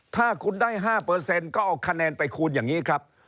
ถ้าคุณได้๕เปอร์เซ็นต์ก็เอาคะแนนไปคูณอย่างนี้ครับ